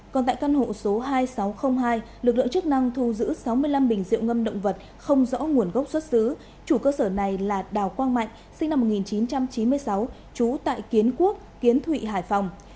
còn tại căn hộ số hai nghìn sáu trăm linh hai lực lượng chức năng thu giữ sáu mươi năm bình diệu ngâm động vật không rõ nguồn gốc xuất xứ chủ cơ sở này là đào quang mạnh sinh năm một nghìn chín trăm chín mươi sáu trú tại kiến quốc kiến thụy hải phòng